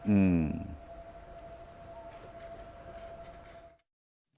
อืม